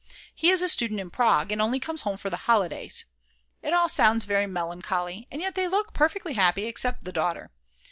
He is a student in Prague, and only comes home for the holidays. It all sounds very melancholy, and yet they look perfectly happy except the daughter.